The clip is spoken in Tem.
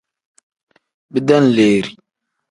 Bidenleeri.